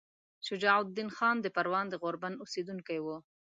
شجاع الدین خان د پروان د غوربند اوسیدونکی وو.